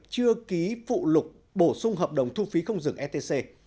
chưa ký phụ lục bổ sung hợp đồng thu phí không dừng etc